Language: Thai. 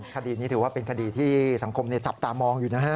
คดีนี้ถือว่าเป็นคดีที่สังคมจับตามองอยู่นะฮะ